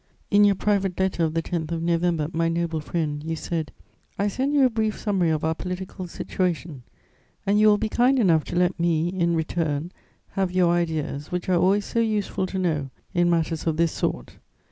"In your private letter of the 10th of November, my noble friend, you said: "'I send you a brief summary of our political situation, and you will be kind enough to let me, in return, have your ideas, which are always so useful to know in matters of this sort.'